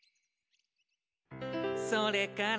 「それから」